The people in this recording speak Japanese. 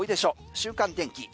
週間天気。